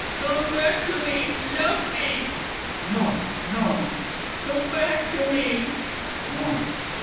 "Come back to me; love me." "No, no." "Come back to me." "No."